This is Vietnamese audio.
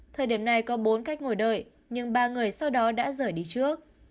thời điểm này có bốn cách ngồi đợi nhưng ba người sau đó đã rời đi trước